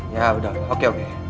ya udah oke oke